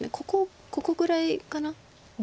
ここぐらいかな。